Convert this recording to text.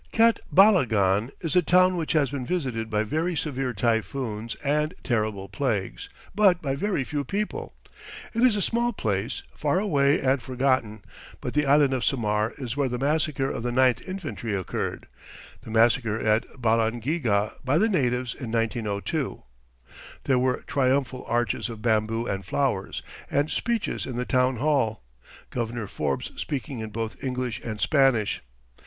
Catbalogan is a town which has been visited by very severe typhoons and terrible plagues, but by very few people. It is a small place, far away and forgotten, but the island of Samar is where the massacre of the Ninth Infantry occurred the massacre at Balangiga by the natives in 1902. There were triumphal arches of bamboo and flowers, and speeches in the town hall, Governor Forbes speaking in both English and Spanish.